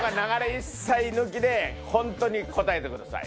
一切抜きでホントに答えてください。